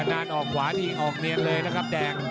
นานออกขวานี่ออกเนียนเลยนะครับแดง